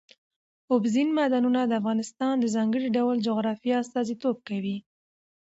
اوبزین معدنونه د افغانستان د ځانګړي ډول جغرافیه استازیتوب کوي.